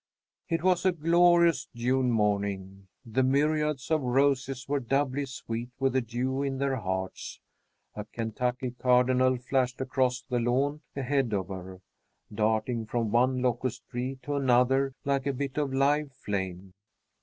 It was a glorious June morning. The myriads of roses were doubly sweet with the dew in their hearts. A Kentucky cardinal flashed across the lawn ahead of her, darting from one locust tree to another like a bit of live flame.